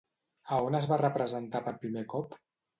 A on es va representar per primer cop?